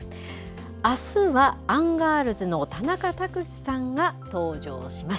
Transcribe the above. あすは、アンガールズの田中卓志さんが登場します。